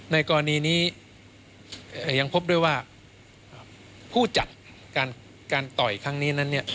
ในกรณีนี้ยังพบด้วยว่าผู้จัดการต่อยครั้งนี้นั้นเนี่ย